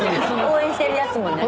応援してるやつもね。